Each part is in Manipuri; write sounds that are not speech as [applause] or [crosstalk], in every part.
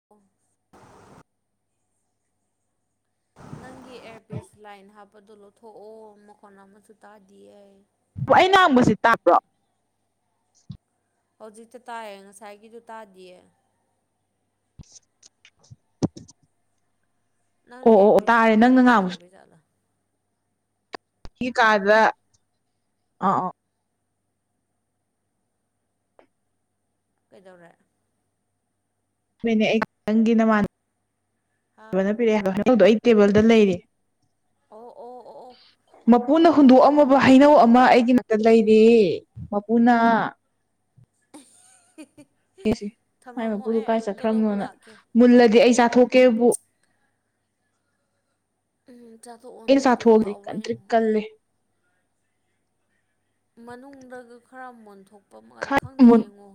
[unintelligible] ꯅꯪꯒꯤ ꯑꯦꯌꯥꯔꯄꯤꯁ ꯂꯥꯏꯟ ꯍꯥꯞꯄꯗꯣ ꯂꯧꯊꯣꯛꯑꯣ ꯃꯈꯣꯟ ꯑꯃꯇ ꯇꯥꯗꯤꯌꯦ ꯑꯩꯩ ꯉꯥꯡꯕꯁꯤ ꯇꯥꯕ꯭ꯔꯣ ꯍꯧꯖꯤꯛꯇ ꯇꯥꯏꯑꯦ ꯉꯁꯥꯏꯒꯤꯗꯨ ꯇꯥꯗꯤꯌꯦ [inaudible] ꯑꯣ ꯅꯪꯅ ꯑꯣ ꯑꯣ ꯑꯦꯌꯔꯄꯤꯁ ꯇꯥꯔꯦ ꯍꯥꯞꯄꯒꯤ ꯅꯪꯅ ꯉꯥꯡꯕꯁꯨ ꯇꯥꯗꯕꯩ ꯖꯥꯠꯂ ꯑꯩꯒꯤ ꯎꯝ ꯀꯥꯗ ꯑꯧ ꯑꯧ ꯀꯩꯗꯧꯔꯦ [unintelligible] ꯍꯥ ꯄꯤꯔꯛꯑꯦ ꯍꯩꯅꯧꯗꯣ ꯑꯩ ꯇꯦꯕꯜꯗ ꯂꯩꯔꯦ ꯑꯣ ꯑꯣ ꯑꯣ ꯑꯣ ꯃꯄꯨꯅ ꯍꯨꯟꯗꯣꯛ ꯑꯝ ꯑꯣ ꯍꯩꯅꯧ ꯑꯃ ꯑꯩꯒꯤ ꯅꯥꯛꯇ ꯂꯩꯔꯦ ꯃꯄꯨꯅ ꯁꯤ ꯃꯥꯏ ꯊꯝꯃꯝꯃꯣ ꯃꯄꯨꯗꯨ ꯑꯩ ꯀꯥꯏ ꯑꯌꯨꯛꯇ ꯂꯧꯕ ꯆꯠꯈ꯭ꯔꯕꯅꯣꯅ ꯂꯥꯛꯀꯦ ꯃꯨꯜꯂꯗꯤ ꯑꯩ ꯆꯥꯊꯣꯛꯀꯦꯕꯨ ꯎꯝ ꯆꯥꯊꯣꯛꯑꯣꯅ ꯑꯗꯣ ꯍꯥꯎꯕ꯭ꯔ ꯌꯦꯡꯉꯣ ꯇꯜꯂꯦ ꯃꯅꯨꯡꯗꯒ ꯈꯔ ꯃꯨꯟꯊꯣꯛꯄ ꯃꯟ ꯈꯪꯗꯦ ꯃꯨꯟ ꯌꯦꯡꯉꯣ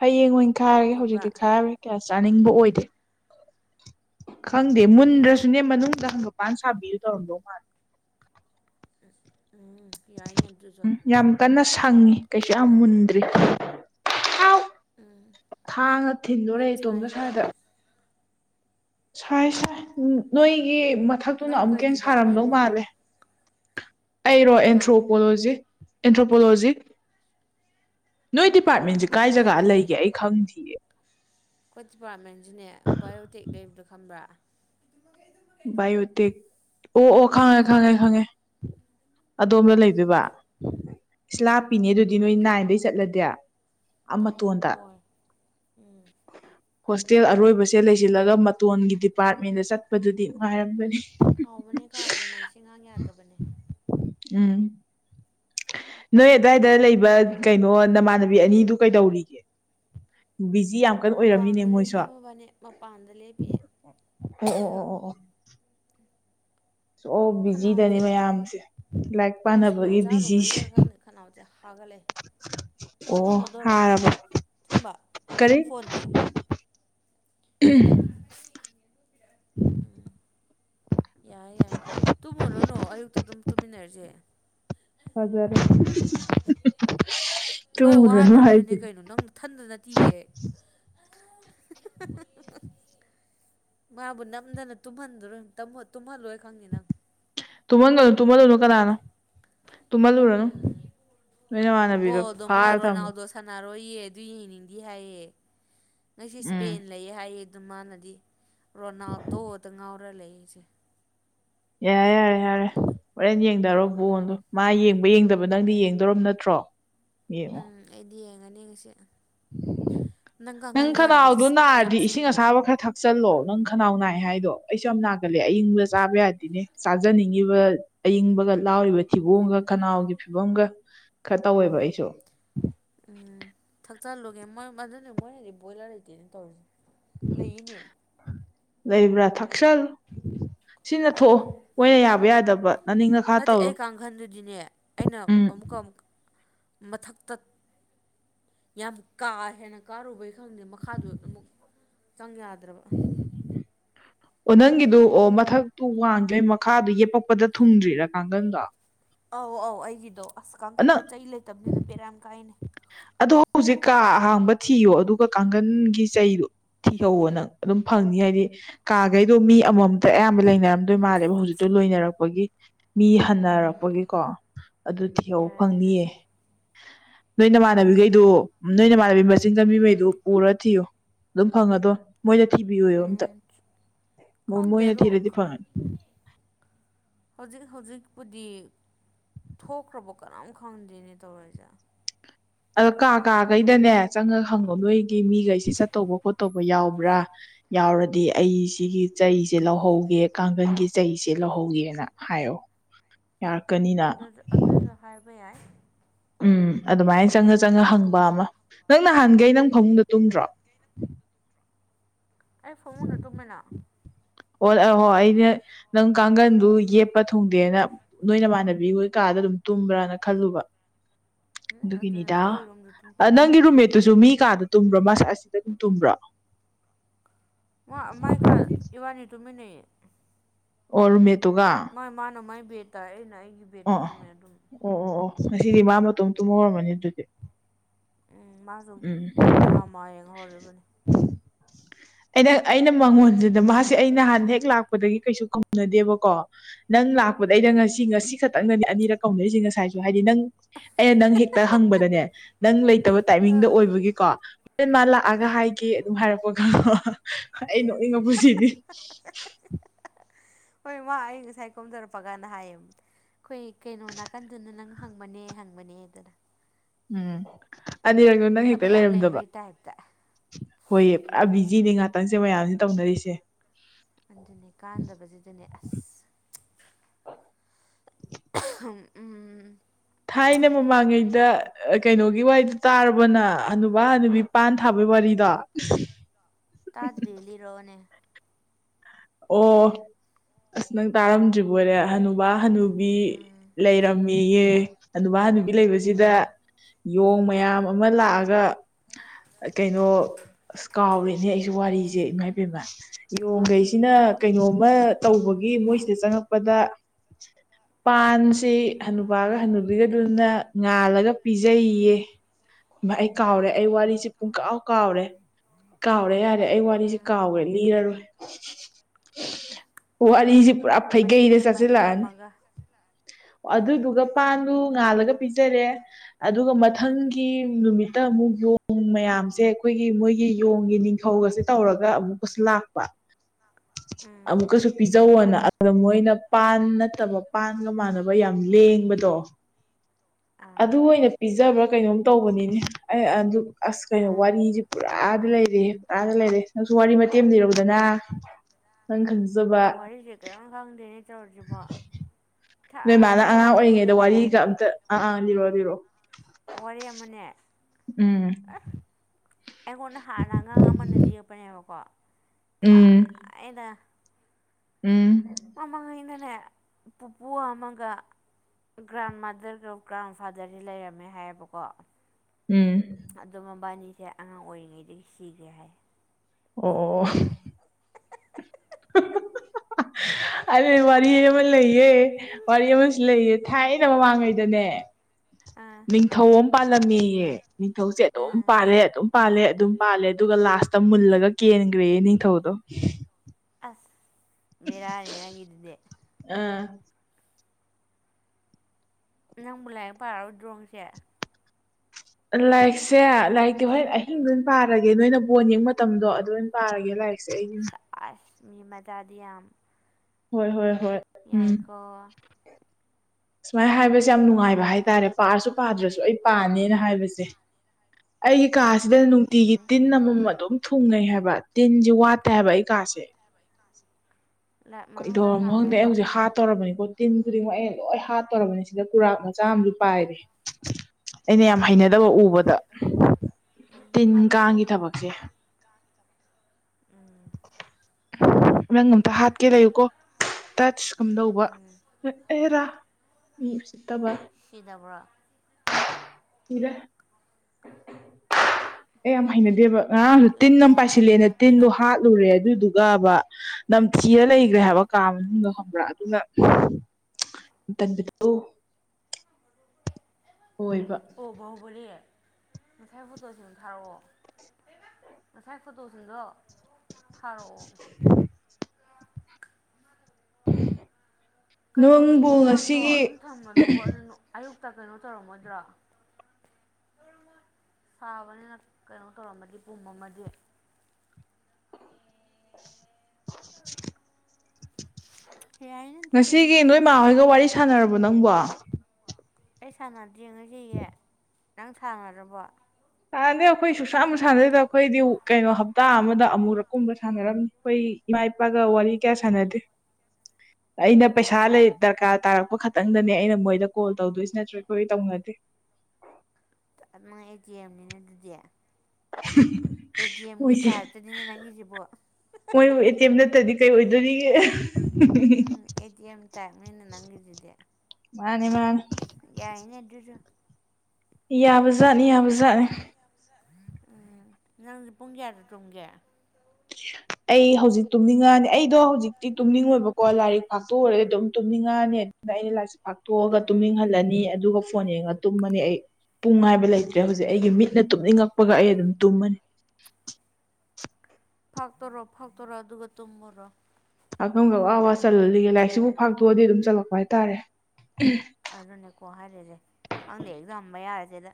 ꯍꯌꯦꯡ ꯑꯣꯏ ꯈꯥꯏꯔꯒꯦ ꯃꯨꯟꯕ꯭ꯔꯥ ꯍꯧꯖꯤꯛꯇꯤ ꯈꯥꯏꯔꯔꯣꯏ ꯀꯌꯥ ꯆꯥꯅꯤꯡꯕ ꯑꯣꯏꯗꯦ ꯑꯣ ꯈꯪꯗꯦ ꯌꯥꯏ ꯌꯥꯏ ꯃꯨꯟꯗ꯭ꯔꯁꯨꯅꯦ ꯃꯅꯨꯡꯗ ꯍꯪꯒ ꯄꯥꯟ ꯁꯥꯕꯤꯗꯣ ꯇꯧꯔꯝꯗꯧ ꯃꯥꯜꯂꯦ ꯎꯝ ꯌꯥꯏꯅꯦ ꯑꯗꯨꯁꯨ ꯎꯝ ꯌꯥꯝ ꯀꯟꯅ ꯁꯪꯉꯤ ꯀꯩꯁꯨ ꯌꯥꯝ ꯃꯨꯟꯗ꯭ꯔꯤ ꯑꯥꯎ ꯎꯝ ꯊꯥꯡꯅ ꯊꯤꯟꯗꯣꯔꯦ ꯌꯥꯝ ꯏꯇꯣꯝꯇ ꯁꯥꯏꯅꯦ ꯁ꯭ꯋꯥꯏꯗ ꯁꯥꯏ ꯁꯥꯏ ꯅꯣ ꯅꯣꯏꯒꯤ ꯃꯊꯛꯇꯨꯅ ꯅꯪ ꯀꯩ ꯑꯃꯨꯛꯀꯦꯟ ꯁꯥꯔꯝꯗꯧ ꯗꯤꯄꯥꯔꯠꯃꯦꯟꯅꯣ ꯃꯥꯜꯂꯦ꯫ ꯑꯩꯔꯣ ꯍꯥ ꯑꯦꯟꯊ꯭ꯔꯣꯄꯣꯂꯣꯖꯤ ꯑꯦꯟꯊ꯭ꯔꯣꯄꯣꯂꯣꯖꯤ꯫ ꯅꯣꯏ ꯌꯥꯝ ꯗꯤꯄꯥꯔꯠꯃꯦꯟꯁꯦ ꯍꯩꯅ ꯀꯥꯏ ꯑꯗꯨꯗꯤ ꯖꯒꯥ ꯂꯩꯒꯦ ꯑꯩ ꯈꯪꯗꯤꯌꯦ꯫ ꯈꯣꯏ ꯗꯤꯄꯥꯔꯠꯃꯦꯟꯖꯤꯅꯦ ꯕꯥꯏꯑꯣꯇꯦꯛ ꯂꯩꯕꯗꯣ ꯈꯪꯕ꯭ꯔꯥ꯫ ꯕꯥꯏꯑꯣꯇꯦꯛ ꯑꯣ ꯑꯣ ꯈꯪꯉꯦ ꯈꯪꯉꯦ ꯈꯪꯉꯦ꯫ ꯑꯗꯣꯝꯗ ꯎꯝ ꯂꯩꯗꯣꯏꯕ꯫ ꯏꯁ ꯎꯝ ꯂꯥꯞꯄꯤꯅꯦ ꯑꯗꯨꯗꯤ ꯅꯣꯏ ꯅꯥꯏꯟꯗꯩ ꯆꯠꯂꯗꯦ ꯑꯥ ꯃꯇꯣꯟꯗ꯫ ꯍꯣꯏ ꯎꯝ ꯍꯣꯁꯇꯦꯜ ꯑꯔꯣꯏꯕꯁꯦ ꯂꯩꯁꯤꯜꯂꯒ ꯃꯇꯣꯟꯒꯤ ꯗꯤꯄꯥꯔꯠꯃꯦꯟꯗ ꯆꯠ__ ꯄꯗꯨꯗꯤ ꯅꯨꯡꯉꯥꯏꯔꯝꯒꯅꯤ꯫ ꯀꯥꯎꯕꯅꯦ ꯀꯥꯎꯕꯅꯦ ꯁꯤ ꯉꯥꯡ ꯌꯥꯗꯕꯅꯦ꯫ ꯎꯝ ꯅꯣꯏ ꯑꯗꯥꯏꯗ ꯂꯩꯕ ꯀꯩꯅꯣ ꯅꯃꯥꯟꯅꯕꯤ ꯑꯅꯤꯗꯨ ꯀꯩꯗꯧꯔꯤꯒꯦ꯫ ꯕꯤꯖꯤ ꯌꯥꯝ ꯀꯟ ꯑꯣꯏꯔꯝꯅꯤꯅꯦ ꯃꯄꯥꯟꯗ ꯃꯣꯏꯁꯨ ꯂꯦꯞꯄꯤ ꯑꯣ ꯃꯕꯥꯅꯤ ꯃꯄꯥꯟꯗ ꯂꯦꯞꯄꯤꯌꯦ ꯑꯣ ꯑꯣ ꯑꯣ ꯑꯣ꯫ ꯑꯣ ꯈꯅꯥꯎꯁꯦ ꯕꯤꯖꯤꯗꯅꯤ ꯃꯌꯥꯝꯁꯦ ꯂꯥꯏꯔꯤꯛ ꯑꯥꯏꯁ ꯀ꯭ꯔꯤꯝ ꯄꯥꯅꯕꯒꯤ ꯕꯤꯖꯤꯁꯦ ꯆꯥꯔꯨꯕꯗꯔ ꯈꯪꯗ ꯈꯅꯥꯎꯁꯦ ꯍꯥꯒꯠꯂꯦ꯫ ꯅꯪ ꯑꯣ ꯇꯨꯝꯃꯗꯣꯏꯔꯣ ꯍꯥꯔꯕ ꯊꯦꯡꯕ ꯀꯔꯤ ꯐꯣꯟꯗꯤ꯫ [inaudible] ꯎꯝ꯫ ꯎꯝ꯫ ꯌꯥꯏ ꯌꯥꯏ ꯇꯨꯝꯃꯨꯔꯅꯨ ꯑꯌꯨꯛꯇ ꯑꯗꯨꯝ ꯇꯨꯝꯃꯤꯟꯅꯔꯁꯦ꯫ ꯐꯖꯔꯦ ꯂꯣꯏ ꯇꯨꯝꯃꯨꯔꯅꯨ ꯋꯥꯅꯗꯣꯏꯅꯦ ꯍꯥꯏꯁꯦ ꯀꯩꯅꯣ ꯅꯪꯊꯟꯗꯅꯠꯇꯤꯌꯦ꯫ ꯃꯥꯕꯨ ꯅꯝꯗꯅ ꯇꯨꯝꯍꯟꯗꯔꯣꯏ ꯇꯃ ꯇꯨꯝꯍꯜꯂꯣꯏ ꯈꯪꯅꯤ ꯅꯪ꯫ ꯇꯨꯝꯍꯟꯒꯅꯨ ꯇꯨꯝꯍꯟꯂꯨꯅꯣ ꯀꯅꯥꯅꯣ꯫ ꯇꯨꯝꯃꯜꯂꯨꯔꯅꯨ ꯅꯣꯏꯅꯃꯥꯟꯅꯕꯤꯗꯣ ꯕꯣꯜꯗꯣ ꯃꯥ ꯐꯥꯔ ꯊꯝꯃ ꯔꯣꯅꯥꯜꯗꯣ ꯁꯥꯟꯅꯔꯣꯏꯌꯦ ꯑꯗꯨ ꯌꯦꯡꯅꯤꯡꯗꯤ ꯍꯥꯏꯌꯦ ꯅꯪꯁꯤ ꯎꯝ ꯏꯁꯄꯦꯟ ꯂꯩꯌꯦ ꯍꯥꯏꯌꯦ꯫ ꯗꯨ ꯃꯥꯅꯗꯤ ꯔꯣꯅꯥꯜꯗꯣꯇ ꯉꯥꯎꯔ ꯂꯩ ꯑꯩꯁꯦ꯫ ꯌꯥꯌꯦ ꯌꯥꯔꯦ ꯌꯥꯔꯦ ꯍꯣꯔꯦꯟ ꯌꯦꯡꯗꯔꯣ ꯕꯣꯟꯗꯣ ꯃꯥ ꯌꯦꯡꯕ ꯌꯦꯡꯗꯕ ꯅꯪꯗꯤ ꯌꯦꯡꯗꯣꯔꯕ ꯅꯠꯇ꯭ꯔꯣ ꯌꯦꯡꯉꯣ ꯎꯝ ꯑꯩꯗꯤ ꯌꯦꯡꯉꯅꯤ ꯉꯁꯤ ꯅꯪ ꯀꯥꯡꯈꯟꯒ ꯌꯥꯝ ꯈꯅꯥꯎꯗꯣ ꯌꯥꯝ ꯅꯥꯔꯗꯤ ꯏꯁꯤꯡ ꯑꯁꯥꯕ ꯈꯔ ꯊꯛ ꯆꯜꯂꯣ ꯅꯪ ꯈꯅꯥꯎ ꯅꯥꯏ ꯍꯥꯏꯗꯣ ꯑꯩꯁꯨ ꯌꯥꯝ ꯅꯥꯒꯜꯂꯦ ꯑꯌꯤꯡꯕꯗ ꯆꯥꯕ ꯌꯥꯗꯦꯅꯦ ꯆꯥꯖꯅꯤꯡꯉꯤꯕ ꯑꯌꯤꯡꯕꯒ ꯂꯥꯎꯔꯤꯕ ꯊꯤꯕꯣꯡꯒ ꯀꯅꯥꯎꯒꯤ ꯐꯤꯕꯝꯒ ꯈꯔ ꯇꯧꯋꯦꯕ ꯑꯩꯁꯨ ꯎꯝ ꯊꯛꯆꯜꯂꯨꯒꯦ ꯃꯣꯏ ꯃꯗꯨꯅꯤ ꯃꯣꯏꯅꯗꯤ ꯕꯣꯏꯂꯔ ꯂꯩꯇꯦꯅꯦ ꯇꯧꯔꯤꯁꯦ ꯂꯩꯌꯦꯅꯦ ꯂꯩꯕ꯭ꯔꯥ ꯊꯛꯆꯟꯂꯨ ꯁꯤꯅꯊꯣꯛꯑꯣ ꯃꯣꯏꯅ ꯌꯥꯕ ꯌꯥꯗꯕ ꯅꯅꯤꯡ ꯅꯈꯥ ꯅꯠꯇꯦ ꯇꯧꯔꯣ ꯑꯩ ꯀꯥꯡꯈꯟꯗꯨꯗꯤꯅꯦ ꯑꯩꯅ ꯎꯝ ꯑꯃꯨꯛꯀ ꯑꯃꯨꯛ ꯃꯊꯛꯇ ꯌꯥꯝ ꯀꯥ ꯍꯦꯟꯅ ꯀꯥꯔꯨꯕꯩ ꯈꯪꯗꯦ ꯃꯈꯥꯗꯣ ꯑꯃꯨꯛ ꯆꯪ ꯌꯥꯗ꯭ꯔꯕ [inaudible] ꯑꯣ ꯅꯪꯒꯤꯗꯨ ꯑꯣ ꯃꯊꯛꯇꯨ ꯋꯥꯡꯒꯤꯕꯩ ꯃꯈꯥꯗꯨ ꯌꯦꯞꯄꯛꯄꯗ ꯊꯨꯡꯗ꯭ꯔꯤꯔꯥ ꯀꯥꯡꯒꯟꯗꯣ ꯑꯧ ꯑꯧ ꯑꯩꯒꯤꯗꯣ ꯑꯁ ꯅꯪ ꯀꯥꯡꯈꯟꯗꯣ ꯆꯩ ꯂꯩꯇꯕꯅꯤꯅ ꯕꯦꯔꯥ ꯌꯥꯝ ꯀꯥꯏꯅꯦ ꯑꯗꯣ ꯍꯧꯖꯤꯛ ꯀꯥ ꯑꯍꯥꯡꯕ ꯊꯤꯌꯣ ꯑꯗꯨꯒ ꯀꯥꯡꯒꯟꯒꯤ ꯆꯩꯗꯣ ꯊꯤꯍꯧꯑꯣ ꯅꯪ ꯑꯗꯨꯝ ꯐꯪꯅꯤ ꯍꯥꯏꯗꯤ ꯀꯥꯒꯩꯗꯣ ꯃꯤ ꯑꯃꯃꯝꯇ ꯑꯌꯥꯝꯕ ꯂꯩꯅꯔꯝꯗꯣꯏ ꯃꯥꯜꯂꯦꯕ ꯍꯧꯖꯤꯛꯇꯣ ꯂꯣꯏꯅꯔꯛꯄꯒꯤ ꯃꯤ ꯎꯝ ꯍꯟꯅꯔꯛꯄꯒꯤꯀꯣ ꯑꯗꯨ ꯊꯤꯍꯧ ꯌꯥꯔꯦ ꯐꯪꯅꯤꯌꯦ ꯑꯗꯨꯁꯨ ꯅꯣꯏ ꯎꯝ ꯅꯃꯥꯟꯅꯕꯤꯒꯩꯗꯨ ꯅꯣꯏ ꯅꯃꯥꯟꯅꯕꯤ ꯃꯆꯤꯟ ꯀꯟꯕꯤ ꯑꯃ ꯂꯩꯗꯨ ꯄꯨꯔ ꯊꯤꯌꯨ ꯑꯗꯨꯝ ꯐꯪꯉꯗꯣꯝꯅꯤ ꯃꯣꯏꯅ ꯊꯤꯕꯤꯌꯣꯌꯣ ꯑꯝꯇ ꯎꯝ ꯈꯪꯗꯦ ꯃꯣꯏꯅ ꯑꯗꯣ ꯊꯤꯔꯗꯤ ꯐꯪꯉꯅꯤ ꯍꯧꯖꯤꯛ ꯍꯧꯖꯤꯛꯄꯨꯗꯤ ꯊꯣꯛꯈ꯭ꯔꯕ ꯀꯅꯥꯝ ꯈꯪꯗꯦꯅꯦ ꯇꯧꯔꯤꯁꯦ ꯑꯗꯣ ꯀꯥ ꯀꯥꯒꯩꯗꯅꯦ ꯆꯪꯉ ꯍꯪꯉꯣ ꯅꯣꯏꯒꯤ ꯃꯤꯒꯩꯁꯦ ꯆꯠꯇꯧꯕ ꯈꯣꯠꯇꯧꯕ ꯌꯥꯎꯕ꯭ꯔꯥ ꯌꯥꯎꯔꯗꯤ ꯑꯩ ꯁꯤꯒꯤ ꯆꯩꯁꯦ ꯂꯧꯍꯧꯒꯦ ꯀꯥꯡꯒꯜꯒꯤ ꯆꯩꯁꯦ ꯂꯧꯍꯧꯒꯦꯅ ꯍꯥꯏꯌꯣ [inaudible] ꯌꯥꯔꯛꯀꯅꯤ ꯑꯗꯨ ꯑꯗꯨꯁꯨ ꯍꯥꯏꯕ ꯌꯥꯏ ꯎꯝ ꯑꯗꯨꯃꯥꯏꯅ ꯆꯪꯉ ꯆꯪꯉ ꯍꯪꯕ ꯑꯃ ꯅꯪ ꯅꯍꯥꯟꯒꯩ ꯅꯪ ꯐꯃꯨꯡꯗ ꯇꯨꯝꯗ꯭ꯔꯣ ꯑꯩ ꯐꯃꯨꯡꯗ ꯇꯨꯝꯃꯦꯅ ꯑꯣ ꯑꯍꯣ ꯑꯩꯗꯤ ꯅꯪ ꯅꯪ ꯀꯥꯡꯒꯟꯗꯨ ꯌꯦꯞꯄ ꯊꯨꯡꯗꯦꯅ ꯅꯣꯏ ꯅꯃꯥꯟꯅꯕꯤꯈꯣꯏ ꯀꯥꯗ ꯑꯗꯨꯝ ꯇꯨꯝꯕ꯭ꯔꯅ ꯈꯜꯂꯨꯕ ꯎꯝ ꯅꯠꯇꯦ ꯑꯗꯨꯒꯤꯅꯤꯗ ꯅꯠꯇꯦ ꯑꯩꯔꯣꯝꯗ ꯇꯨꯝ ꯅꯪꯒꯤ ꯇꯨꯝꯃꯦꯗ ꯔꯨꯝꯃꯦꯠꯇꯨꯁꯨ ꯃꯤ ꯀꯥꯗ ꯇꯨꯝꯕ꯭ꯔꯣ ꯃꯥꯁꯨ ꯑꯁꯤꯗ ꯑꯗꯨꯝ ꯇꯨꯝꯕ꯭ꯔꯣ ꯃꯥ ꯃꯥꯏ ꯀꯥꯗ ꯏꯕꯥꯅꯤ ꯇꯨꯃꯤꯟꯅꯩꯌꯦ ꯑꯣ ꯔꯨꯝꯃꯦꯠꯇꯨꯒ ꯃꯥꯅ ꯃꯥꯏ ꯕꯦꯠꯇ ꯑꯩꯅ ꯑꯩꯒꯤ ꯕꯦꯠꯇ ꯑꯣ ꯇꯨꯝꯃꯦ ꯑꯗꯨꯝ ꯑꯣ ꯑꯣ ꯑꯣ ꯉꯁꯤꯗꯤ ꯃꯥ ꯃꯇꯣꯝ ꯎꯝ ꯇꯨꯝꯍꯧꯔꯝꯃꯅꯤ ꯑꯗꯨꯗꯤ ꯎꯝ ꯃꯥꯁꯨ ꯎꯝ ꯗ꯭ꯔꯃꯥ ꯌꯦꯡꯍꯧꯔꯕꯅꯤ ꯑꯩꯅ ꯑꯩꯅ ꯃꯉꯣꯟꯗꯨꯗ ꯃꯥꯁꯦ ꯑꯩ ꯅꯍꯥꯟ ꯍꯦꯛ ꯂꯥꯛꯄꯗꯒꯤ ꯀꯩꯁꯨ ꯀꯧꯅꯗꯦꯕꯀꯣ ꯅꯪ ꯂꯥꯛꯄꯗꯩꯗ ꯎꯝ ꯉꯁꯤ ꯉꯁꯤ ꯈꯛ ꯈꯛꯇꯪꯗꯅꯤ ꯑꯅꯤꯔꯛ ꯀꯧꯅꯔꯤꯁꯦ ꯉꯁꯥꯏꯁꯨ ꯍꯥꯏꯗꯤ ꯅꯪ ꯑꯩꯅ ꯅꯪ ꯍꯦꯛꯇ ꯍꯪꯕꯗꯅꯦ ꯅꯪ ꯂꯩꯇꯕ ꯇꯥꯏꯃꯤꯡꯗ ꯑꯥ ꯑꯣꯏꯕꯒꯤꯀꯣ ꯔꯦꯟ ꯃꯥ ꯂꯥꯛꯑꯒ ꯑꯥ ꯍꯥꯏꯒꯦ ꯑꯗꯨꯝ ꯍꯥꯏꯔꯛꯄ ꯈꯪꯉꯕ ꯑꯩ ꯅꯣꯛꯅꯤꯡꯉꯛꯄꯁꯤꯗꯤ ꯍꯣꯏ ꯃꯥ ꯑꯩ ꯉꯁꯥꯏ ꯀꯨꯝꯊꯔꯛꯄ ꯀꯥꯟꯗ ꯍꯥꯏꯌꯦ ꯑꯈꯣꯏ ꯀꯩꯅꯣ ꯅꯥꯀꯟꯗꯨꯅ ꯅꯪ ꯍꯪꯕꯅꯦ ꯍꯪꯕꯅꯦ ꯗꯅ ꯎꯝ ꯑꯅꯤꯔꯛꯗꯣ ꯅꯪ ꯍꯦꯛꯇ ꯊꯕꯛ ꯌꯥꯝ ꯂꯩꯔꯝꯗꯕ ꯂꯩꯕꯩ ꯇꯥꯏꯞꯇ ꯍꯣꯏꯌꯦ ꯄꯨꯔ ꯕꯤꯖꯤꯅꯤ ꯉꯥꯛꯇꯪꯁꯦ ꯃꯌꯥꯝꯁꯦ ꯇꯧꯅꯔꯤꯁꯦ ꯑꯗꯨꯅꯦ ꯀꯥꯟꯗꯕꯁꯤꯗꯅꯦ ꯑꯁ ꯍ ꯎꯝ ꯎꯝꯝ ꯊꯥꯏꯅ ꯃꯃꯥꯡꯉꯩꯗ ꯀꯩꯅꯣꯒꯤ ꯋꯥꯔꯤꯗꯣ ꯇꯥꯔꯕꯣꯅꯪ ꯍꯅꯨꯕꯥ ꯍꯅꯨꯕꯤ ꯄꯥꯟ ꯊꯥꯕꯩ ꯋꯥꯔꯤꯗꯣ ꯇꯥꯗ꯭ꯔꯤ ꯂꯤꯔꯣꯅꯦ ꯑꯣ ꯑꯁ ꯅꯪ ꯇꯥꯔꯝꯗ꯭ꯔꯤꯕꯣꯏꯔꯦ ꯍꯅꯨꯕꯥ ꯍꯅꯨꯕꯤ ꯎꯝ ꯂꯩꯔꯝꯃꯦ ꯌꯦ ꯍꯅꯨꯕ ꯍꯅꯨꯕꯤ ꯂꯩꯕꯁꯤꯗ ꯎꯝ ꯌꯣꯡ ꯃꯌꯥꯝ ꯑꯃ ꯂꯥꯛꯑꯒ ꯀꯩꯅꯣ ꯑꯁ ꯀꯥꯎꯔꯦꯅꯦ ꯑꯩꯁꯨ ꯋꯥꯔꯤꯁꯦ ꯏꯃꯥ ꯄꯦꯝꯃ ꯌꯣꯛꯒꯩ ꯃꯥꯊꯤ ꯂꯤꯔꯝꯃꯣ ꯀꯩꯅꯣꯝꯃ ꯇꯧꯕꯒꯤ ꯃꯣꯏꯁꯤꯗ ꯆꯪꯉꯛꯄꯗ [inaudible] ꯄꯥꯟꯁꯤ ꯍꯅꯨꯕ ꯍꯅꯨꯕꯤꯗꯨꯅ ꯉꯥꯜꯂꯒ ꯄꯤꯖꯩꯌꯦ ꯑꯩ ꯀꯥꯎꯔꯦ ꯑꯥ ꯑꯩ ꯋꯥꯔꯤꯁꯦ ꯄꯨꯡ ꯀꯥꯎ ꯀꯥꯎꯔꯦ ꯀꯥꯎꯔꯦ ꯌꯥꯔꯦ ꯑꯩ ꯋꯥꯔꯤꯁꯦ ꯎꯝ ꯀꯥꯎꯔꯦ ꯂꯤꯔꯔꯣꯏ ꯋꯥꯔꯤꯁꯤ ꯄꯨꯔꯥ ꯐꯩꯒꯩꯅ ꯃꯇꯦꯛ ꯑꯃ ꯆꯠꯁꯤꯜꯂꯛꯑꯅꯤ ꯂꯤꯔꯝꯃꯒ ꯎꯝ ꯑꯗꯨꯗꯨꯒ ꯄꯥꯟꯗꯨ ꯉꯥꯜꯂꯒ ꯄꯤꯖꯔꯦ ꯑꯗꯨꯒ ꯃꯊꯪꯒꯤ ꯅꯨꯃꯤꯠꯇ ꯑꯃꯨꯛ ꯌꯣꯡ ꯃꯌꯥꯝꯁꯦ ꯑꯩꯈꯣꯏꯒꯤ ꯃꯣꯏꯒꯤ ꯌꯣꯡꯒꯤ ꯅꯤꯡꯊꯧꯒꯁꯦ ꯇꯧꯔꯒ ꯑꯃꯨꯛꯀꯁꯨ ꯂꯥꯛꯄ ꯎꯝ ꯑꯃꯨꯛꯀꯁꯨ ꯄꯤꯖꯧꯋꯅ ꯑꯗ ꯃꯣꯏꯅ ꯄꯥꯟ ꯅꯠꯇꯕ ꯄꯥꯟꯒ ꯃꯥꯟꯅꯕ ꯌꯥꯝ ꯂꯦꯡꯕꯗꯣ ꯑꯥ ꯑꯗꯨ ꯑꯣꯏꯅ ꯄꯤꯖꯕ꯭ꯔꯥ ꯀꯩꯅꯣꯝ ꯇꯧꯕꯅꯤꯅꯦ ꯑꯩ ꯑꯗꯨ ꯑꯁ ꯀꯩꯅꯣ ꯑꯥ ꯋꯥꯔꯤꯁꯤ ꯄꯨꯔꯥꯗꯤ ꯂꯩꯔꯤ ꯄꯨꯔꯥꯗꯤ ꯂꯩꯔꯦ ꯅꯪꯁꯨ ꯋꯥꯔꯤ ꯃꯇꯦꯝ ꯂꯤꯔꯨꯗꯅ [inaudible] ꯅꯪ ꯈꯪꯖꯕ ꯑꯩ ꯋꯥꯔꯤꯁꯦ ꯀꯔꯤꯝ ꯈꯪꯗꯦꯅꯦ ꯇꯧꯔꯤꯁꯤꯕꯣ ꯅꯣꯏ ꯃꯥꯅ ꯊꯥꯏꯅ ꯑꯉꯥꯡ ꯑꯣꯏꯔꯤꯉꯩꯗ ꯃꯃꯥꯡꯉꯩꯗꯅꯦ ꯋꯥꯔꯤꯒ ꯑꯝꯇ ꯑꯥ ꯑꯥ ꯂꯤꯔꯣ ꯂꯤꯔꯣ ꯋꯔꯤ ꯑꯃꯅꯦ ꯎꯝ ꯑꯁ ꯑꯩꯉꯣꯟꯗ ꯍꯥꯟꯅ ꯑꯉꯥꯡ ꯑꯃꯅ ꯂꯤꯔꯛꯄꯅꯦꯕꯀꯣ ꯎꯝ ꯊꯥꯏꯅ ꯎꯝ ꯃꯃꯥꯡꯉꯩꯗꯅꯦ ꯄꯨꯄꯨ ꯑꯃꯒ ꯒ꯭ꯔꯥꯟ ꯃꯥꯗꯔꯒ ꯒ꯭ꯔꯥꯟ ꯐꯥꯗꯔꯒ ꯂꯩꯔꯝꯃꯦ ꯍꯥꯏꯌꯦꯕꯀꯣ ꯎꯝ ꯑꯗꯨ ꯃꯕꯥꯅꯤꯁꯦ ꯑꯉꯥꯡ ꯑꯣꯏꯔꯤꯉꯩꯗꯒꯤ ꯁꯤꯒ꯭ꯔꯦ ꯍꯥꯏ ꯑꯣ ꯑꯣ [unintelligible] ꯑꯗꯨ ꯋꯥꯔꯤ ꯑꯃ ꯂꯩꯌꯦ ꯋꯥꯔꯤ ꯑꯃꯁꯨ ꯂꯩꯌꯦ ꯊꯥꯏꯅ ꯃꯃꯥꯡꯉꯩꯗꯅꯦ ꯑꯥ ꯅꯤꯡꯊꯧ ꯑꯃ ꯄꯥꯜꯂꯝꯃꯦꯌꯦ ꯅꯤꯡꯊꯧꯁꯦ ꯑꯗꯨꯝ ꯑꯥ ꯄꯥꯜꯂꯦ ꯑꯗꯨꯝ ꯄꯥꯜꯂꯦ ꯑꯗꯨꯝ ꯄꯥꯜꯂꯦ ꯑꯗꯨꯒ ꯂꯥꯁꯇ ꯃꯨꯜꯂꯒ ꯀꯦꯟꯈ꯭ꯔꯦ ꯅꯤꯡꯊꯧꯗ ꯗꯣ ꯑꯁ ꯕꯦꯔꯥꯅꯤ ꯅꯪꯒꯤꯗꯨꯗꯤ ꯑꯥ ꯅꯪꯕꯨ ꯂꯥꯏꯔꯤꯛ ꯄꯥꯔꯔꯣꯏꯗ꯭ꯔꯣ ꯉꯁꯤ ꯂꯥꯏꯔꯤꯛꯁꯦ ꯂꯥꯏꯔꯤꯛꯇꯤ ꯍꯣꯏ ꯑꯍꯤꯡꯗ ꯑꯣꯏ ꯄꯥꯔꯒꯦ ꯅꯣꯏꯅ ꯕꯣꯟ ꯌꯦꯡꯕ ꯃꯇꯝꯗꯣ ꯑꯗꯨ ꯑꯣꯏ ꯄꯥꯔꯒꯦ ꯂꯥꯏꯔꯤꯛ [unintelligible] ꯑꯥꯁ ꯃꯤ ꯃꯖꯥꯗꯤ ꯌꯥꯝ ꯍꯣꯏ ꯍꯣꯏ ꯍꯣꯏ ꯌꯥꯏꯀꯣ ꯁꯨꯃꯥꯏꯟ ꯍꯥꯏꯕꯁꯦ ꯌꯥꯝ ꯅꯨꯡꯉꯥꯏꯕ ꯍꯥꯏꯇꯥꯔꯦ ꯄꯥꯔꯁꯨ ꯄꯥꯗ꯭ꯔꯁꯨ ꯑꯩ ꯄꯥꯅꯦꯅ ꯍꯥꯏꯕꯁꯦ ꯑꯩꯒꯤ ꯀꯥꯁꯤꯗ ꯎꯝ ꯅꯨꯡꯇꯤꯒꯤ ꯆꯨꯝꯃꯦ ꯇꯤꯟ ꯑꯃꯃꯝ ꯑꯗꯨꯝ ꯊꯨꯡꯉꯩ ꯍꯥꯏꯕ ꯇꯤꯟꯖꯤ ꯋꯥꯠꯇꯦ ꯍꯥꯏꯕ ꯑꯩ ꯀꯥꯁꯦ ꯃꯅꯨꯡꯗ ꯀꯩꯗꯧꯔꯝꯣ ꯈꯪꯗꯦ ꯑꯩ ꯊꯥꯝꯕꯩꯔꯣ ꯍꯧꯖꯤꯛ ꯍꯥꯔ ꯇꯧꯔꯕꯅꯤꯀꯣ ꯇꯤꯟ ꯈꯨꯗꯤꯡꯃꯛ ꯑꯩꯅ ꯂꯣꯏ ꯍꯥꯠꯇꯧꯔꯕꯅꯦ ꯁꯤꯗ ꯀꯨꯔꯥꯛ ꯃꯆꯥ ꯑꯃꯁꯨ ꯄꯥꯏꯔꯦ ꯑꯩꯅ ꯌꯥꯝ ꯍꯩꯅꯗꯕ ꯎꯕꯗ ꯎꯝ ꯇꯤꯟ ꯀꯥꯡꯒꯤ ꯍꯥꯠꯄꯤꯔꯝꯃꯣ ꯊꯕꯛꯁꯦ ꯎꯝ ꯅꯪ ꯑꯝꯇ ꯍꯥꯠꯀꯦ ꯂꯩꯌꯨꯀꯣ ꯇꯆ ꯀꯝꯗꯧꯕ ꯎꯝ ꯑꯦꯔꯥ ꯃꯤ ꯎꯁꯤꯠꯇꯕ ꯁꯤꯗꯥꯕ꯭ꯔꯥ ꯁꯤꯔꯦ ꯑꯩ ꯌꯥꯝ ꯍꯩꯅꯗꯦꯕ ꯉꯔꯥꯡꯁꯨ ꯇꯤꯟ ꯍꯥꯠꯂꯝꯃꯣ ꯑꯃ ꯍꯥꯠꯂꯝꯃꯣ ꯄꯥꯏꯁꯤꯜꯂꯦꯅ ꯇꯤꯟꯗꯣ ꯍꯥꯠꯄꯤꯔꯝꯃꯣ ꯍꯥꯠꯂꯨꯔꯦ ꯑꯗꯨꯏꯗꯨꯒꯕ ꯅꯝꯊꯤꯔ ꯂꯩꯒ꯭ꯔꯦ ꯎꯝ ꯍꯥꯏꯕ ꯀꯥ ꯃꯅꯨꯡꯗꯣ ꯈꯪꯕ꯭ꯔꯥ ꯑꯗꯨꯅ ꯗꯟꯗ [unintelligible] ꯑꯣ ꯑꯣꯏꯕ ꯑꯣ ꯕꯍꯨꯕꯂꯤ ꯉꯁꯥꯏ ꯐꯣꯇꯣꯁꯤꯡꯗꯣ ꯊꯥꯔꯛꯑꯣ [unintelligible] ꯉꯁꯥꯏ ꯐꯣꯇꯣꯁꯤꯡꯗꯣ ꯊꯥꯔꯛꯑꯣ ꯀꯩꯅꯣꯗꯣ ꯅꯪꯕꯨ ꯑꯦꯟꯓꯥꯡꯗꯣ ꯑꯗꯨꯝ ꯉꯁꯤꯒꯤ ꯊꯝꯒꯅꯣ ꯍꯣꯔꯦꯟ ꯑꯌꯨꯛꯇ ꯀꯩꯅꯣ ꯇꯧꯔꯝꯃꯣꯏꯗ꯭ꯔꯥ ꯇꯧꯔꯝꯃꯣꯏ ꯁꯥꯕꯅꯤꯅ ꯀꯩꯅꯣ ꯇꯧꯔꯃꯗꯤ ꯄꯨꯝꯃꯝꯃꯗꯤ [unintelligible] ꯌꯥꯏꯅ ꯑꯗꯨꯗꯤ ꯉꯁꯤꯒꯤ ꯅꯣꯏꯃꯥꯍꯣꯏꯒ ꯋꯥꯔꯤ ꯁꯥꯟꯅꯔꯕꯣ ꯅꯪꯕꯣ ꯑꯩ ꯁꯥꯟꯅꯗ꯭ꯔꯤ ꯉꯁꯤꯒꯤ ꯅꯪ ꯁꯥꯟꯅꯔꯕꯣ ꯁꯥꯅꯗꯦ ꯑꯈꯣꯏ ꯁꯨꯛꯁꯥꯟꯕꯨ ꯁꯥꯟꯅꯗꯩꯗ ꯑꯈꯣꯏꯗꯤ ꯀꯩꯅꯣ ꯍꯞꯇꯥ ꯑꯃꯗ ꯑꯃꯨꯔꯛꯀꯨꯝꯕ ꯁꯥꯟꯅꯔꯝꯅꯤ ꯈꯣꯏ ꯏꯃꯥ ꯏꯄꯥꯒ ꯋꯥꯔꯤ ꯀ꯭ꯌꯥ ꯁꯥꯟꯅꯗꯦ [inaudible] ꯑꯩꯅ ꯄꯩꯁꯥ ꯂꯩ ꯑꯣ ꯗꯔꯀꯥꯔ ꯇꯥꯔꯛꯄ ꯈꯛꯇꯪꯗꯅꯦ ꯑꯩꯅ ꯃꯣꯏꯗ ꯀꯣꯜ ꯇꯧꯗꯣꯏꯁꯦ ꯅꯠꯇ꯭ꯔ ꯈꯣꯏꯗꯤ ꯇꯧꯅꯗꯦ ꯃꯣꯏ ꯑꯦ ꯇꯤ ꯑꯦꯝꯅꯤꯅꯦ ꯑꯗꯨꯗꯤ [inaudible] ꯑꯦ ꯇꯤ ꯑꯦꯝꯒꯤ ꯃꯣꯏꯁꯦ ꯇꯥꯏꯠꯇꯅꯤꯅꯦ ꯅꯪꯒꯤꯁꯤꯕꯣ ꯃꯣꯏꯕꯨ ꯑꯦ ꯇꯤ ꯑꯦꯝ ꯅꯠꯇ꯭ꯔꯗꯤ ꯀꯩ ꯑꯣꯏꯗꯣꯏꯔꯤꯒꯦ ꯎꯝ ꯑꯦ ꯇꯤ ꯑꯦꯝ ꯇꯥꯏ ꯅꯤꯅꯦ ꯅꯪꯒꯤꯖꯤꯗꯤ ꯃꯥꯅꯦ ꯃꯥꯅꯦ ꯌꯥꯏꯅꯦ ꯑꯗꯨꯁꯨ ꯌꯥꯕꯖꯥꯠꯅꯤ ꯌꯥꯕ ꯎꯝ ꯅꯪꯗꯤ ꯄꯨꯡ ꯀ꯭ꯌꯥꯗ ꯇꯨꯡꯒꯦ ꯑꯩꯗꯣ ꯍꯧꯖꯤꯛ ꯇꯨꯝꯅꯤꯡꯉꯥꯅꯤ ꯑꯩꯗꯣ ꯍꯧꯖꯤꯛꯇꯤ ꯇꯨꯝꯅꯤꯡꯉꯣꯏꯕꯀꯣ ꯂꯥꯏꯔꯤꯛ ꯐꯥꯛꯇꯣꯛꯎꯔꯗꯤ ꯑꯗꯨꯝ ꯇꯨꯝꯅꯤꯡꯉꯥꯅꯤ ꯑꯗ ꯑꯩꯅ ꯂꯥꯏꯔꯤꯁꯤ ꯄꯥꯛꯊꯣꯛꯑꯒ ꯎꯝ ꯇꯨꯝꯅꯤꯡꯍꯜꯂꯅꯤ ꯑꯗꯨꯒ ꯐꯣꯟ ꯌꯦꯡꯉꯒ ꯇꯨꯝꯃꯅꯤ ꯑꯩ ꯄꯨꯡ ꯉꯥꯏꯕ ꯂꯩꯇ꯭ꯔꯦ ꯍꯧꯖꯤꯛ ꯑꯩꯒꯤ ꯃꯤꯠꯅ ꯇꯨꯝꯅꯤꯡꯉꯛꯄꯒ ꯑꯩ ꯑꯗꯨꯝ ꯇꯨꯝꯃꯅꯤ ꯐꯥꯛꯇꯣꯔꯣ ꯐꯥꯛꯇꯣꯔꯣ ꯑꯗꯨꯒ ꯇꯨꯝꯃꯨꯔꯣ ꯌꯥꯀꯝꯒ ꯋꯥ ꯋꯥ ꯆꯜꯂꯤꯒꯦ ꯂꯥꯏꯔꯤꯛꯁꯤꯕꯨ ꯐꯥꯛꯇꯣꯛꯑꯗꯤ ꯑꯗꯨꯝ ꯆꯜꯂꯛꯄ ꯍꯥꯏꯇꯥꯔꯦ ꯑꯗꯨꯅꯦꯀꯣ ꯍꯥꯏꯔꯤꯁꯦ ꯈꯪꯗꯦ ꯑꯦꯛꯖꯥꯝ ꯃꯌꯥꯁꯤꯗ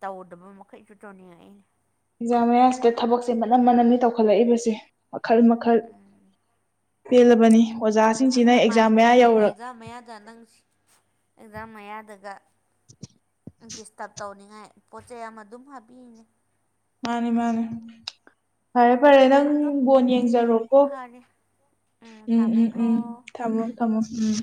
ꯇꯧꯗꯕ ꯃꯈꯩꯁꯨ ꯇꯧꯅꯤꯡꯉꯛꯏ ꯑꯦꯛꯖꯥꯝ ꯃꯌꯥꯝꯁꯤꯗ ꯊꯕꯛꯁꯦ ꯃꯅꯝ ꯃꯅꯝꯅꯤ ꯇꯧꯈꯠꯂꯛꯏꯕꯁꯦ ꯃꯈꯜ ꯃꯈꯜ ꯄꯦꯜꯂꯕꯅꯤ ꯅꯪ ꯑꯣꯖꯥꯁꯤꯡꯁꯤꯅ ꯑꯦꯛꯖꯥꯝ ꯅꯃꯥꯟꯅꯕꯤ ꯃꯌꯥ ꯁꯤꯅꯅꯦ ꯌꯧꯔꯛ ꯑꯦꯛꯖꯥꯝ ꯃꯌꯥꯗ ꯅꯪ ꯁꯤ ꯑꯦꯛꯖꯥꯝ ꯃꯌꯥꯗꯒ ꯗꯤꯁꯇꯔꯕ ꯇꯧꯅꯤꯡꯉꯥꯏ ꯄꯣꯠ ꯆꯩ ꯑꯃ ꯑꯗꯨꯝ ꯍꯥꯞꯄꯤꯔꯤꯅꯦ ꯃꯥꯅꯦ ꯃꯥꯅꯦ ꯐꯔꯦ ꯐꯔꯦ ꯅꯪ ꯑꯗꯣ ꯕꯣꯜ ꯌꯦꯡꯖꯔꯣꯀꯣ ꯐꯔꯦ ꯎꯝ ꯎꯝ ꯎꯝ ꯊꯝꯃꯣ ꯊꯝꯃꯣ ꯎꯝ